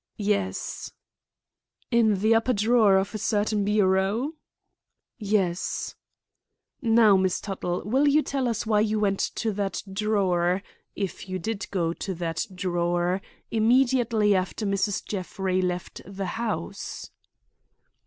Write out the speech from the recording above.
"Yes." "In the upper drawer of a certain bureau?" "Yes." "Now, Miss Tuttle, will you tell us why you went to that drawer—if you did go to that drawer—immediately after Mrs. Jeffrey left the house?"